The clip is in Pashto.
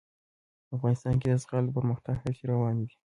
افغانستان کې د زغال د پرمختګ هڅې روانې دي.